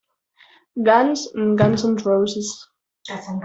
Guns and Guns N' Roses.